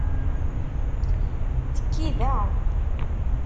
Tekki da!